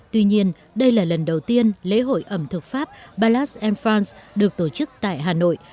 tuy nhiên đây là lần đầu tiên lễ hội ẩm thực pháp được tổ chức tại hà nội